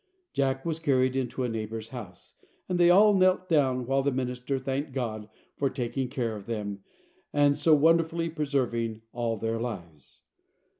Jack was carried into a neighbour's house, and they all knelt down while the minister thanked God for taking care of them, and so wonderfully preserving all their lives.